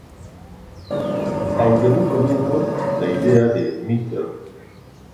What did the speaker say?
Aunque en un comienzo la idea de Mr.